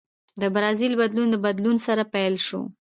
د برازیل بدلون له بدلون سره پیل شو.